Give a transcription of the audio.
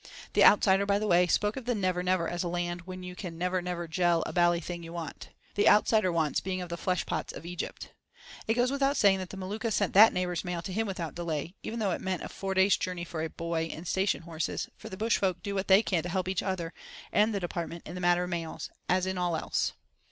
(The Outsider, by the way, spoke of the Never Never as a land where you can Never Never gel a bally thing you want! the Outsider's wants being of the flesh pots of Egypt). It goes without saying that the Maluka sent that neighbour's mail to him without delay, even though it meant a four days' journey for a "boy" and station horses, for the bush folk do what they can to help each other and the Department in the matter of mails, as in all else.